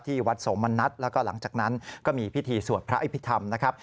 วัดโสมณัฐแล้วก็หลังจากนั้นก็มีพิธีสวดพระอภิษฐรรมนะครับ